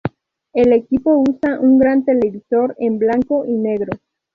El equipo usa un gran televisor en blanco y negro.